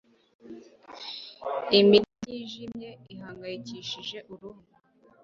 imitsi yijimye ihangayikishije uruhu